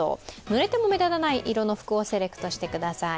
ぬれても目立たない色の服をセレクトしてください。